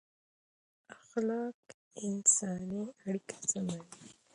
اخلاق انساني اړیکې سموي